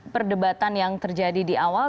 perdebatan yang terjadi di awal